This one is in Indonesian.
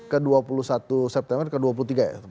ke dua puluh satu september ke dua puluh tiga ya